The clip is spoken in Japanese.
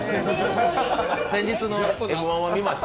先日の「Ｍ−１」は見ました？